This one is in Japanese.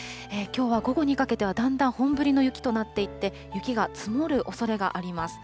きょうは午後にかけては、だんだん本降りの雪となっていって、雪が積もるおそれがあります。